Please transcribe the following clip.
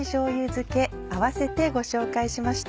漬けあわせてご紹介しました。